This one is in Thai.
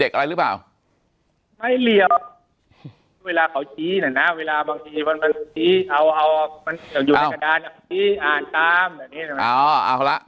แต่คุณยายจะขอย้ายโรงเรียน